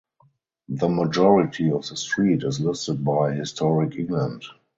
The majority of the street is listed by Historic England.